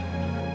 ya pak adrian